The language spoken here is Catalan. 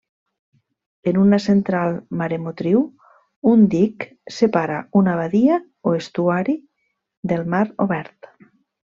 En una central mareomotriu, un dic separa una badia o estuari del mar obert.